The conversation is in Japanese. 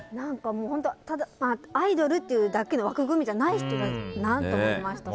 アイドルというだけの枠組みじゃない人だなと思いました。